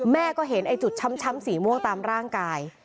แม่ก็เห็นไอ้จุดช้ำสีม่วงตามร่างกาย